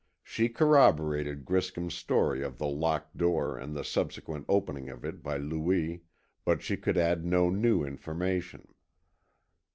She corroborated Griscom's story of the locked door and the subsequent opening of it by Louis, but she could add no new information.